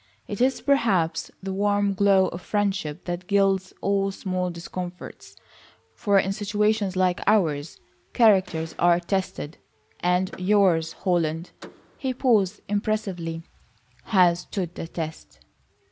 It is, perhaps, the warm glow of friendship that gilds all small discomforts, for in situations like ours characters are tested, and yours, Holland," he paused impressively, "has stood the test."